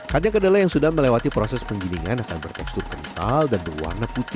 kacang kedelai yang sudah melewati proses penggilingan akan bertekstur kental dan berwarna putih